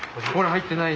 入ってない。